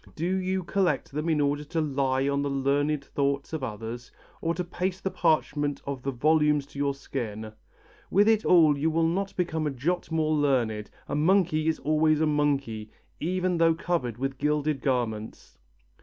Do you collect them in order to lie on the learned thoughts of others, or to paste the parchment of the volumes to your skin? With it all you will not become a jot more learned; a monkey is always a monkey, even though covered with gilded garments."